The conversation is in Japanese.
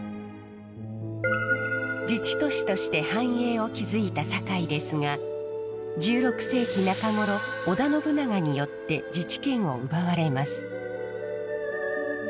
自治都市として繁栄を築いた堺ですが１６世紀中頃織田信長によって自治権を奪われます。